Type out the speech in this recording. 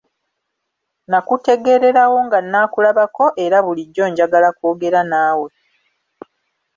Nakutegeererawo nga nnaakakulabako, era bulijjo njangala kwogera naawe.